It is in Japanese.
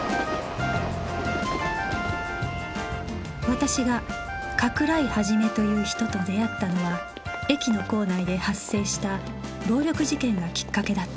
私が加倉井肇という人と出会ったのは駅の構内で発生した暴力事件がキッカケだった